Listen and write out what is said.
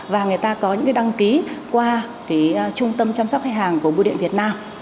và người ta có những cái đăng ký qua trung tâm chăm sóc khách hàng của bưu điện việt nam